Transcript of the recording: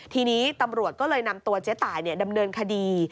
ทีนี้ตำรวจก็เลยนำตัวเจ๊ตายดำเนินคดี